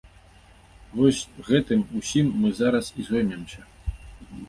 Вось гэтым усім мы зараз і зоймемся.